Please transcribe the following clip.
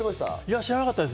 知らなかったです。